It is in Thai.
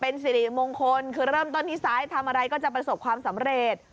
สิริมงคลคือเริ่มต้นที่ซ้ายทำอะไรก็จะประสบความสำเร็จ